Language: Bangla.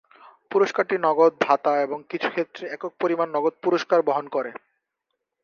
পুরস্কারটি নগদ ভাতা এবং কিছু ক্ষেত্রে একক পরিমাণ নগদ পুরস্কার বহন করে।